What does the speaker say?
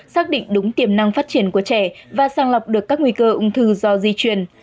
xác định đúng tiềm năng phát triển của trẻ và sang lọc được các nguy cơ ung thư do di truyền